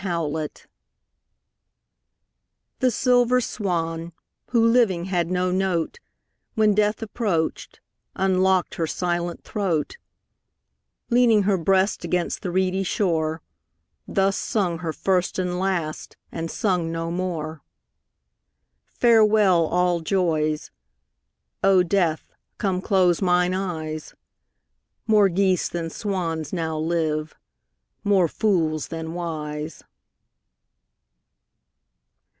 6 Autoplay The silver swan, who living had no note, When death approach'd, unlock'd her silent throat; Leaning her breast against the reedy shore, Thus sung her first and last, and sung no more. Farewell, all joys; O Death, come close mine eyes; More geese than swans now live, more fools than wise.